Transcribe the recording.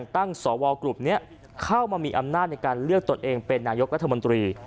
ตั้งสวกลุ่มนี้เข้ามามีอำนาจในการเลือกตนเองเป็นนายกรัฐมนตรี